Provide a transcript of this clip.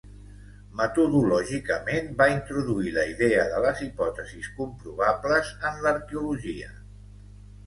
Metodològicament va introduir la idea de les hipòtesis comprovables en l'arqueologia.